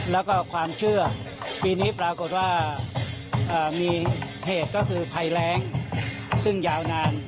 แล้วก็ความเชื่อปีนี้ปรากฏว่ามีเหตุก็คือภัยแรงซึ่งยาวนาน